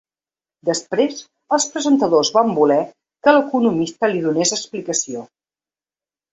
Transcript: Després els presentadors van voler que l’economista li donés explicació.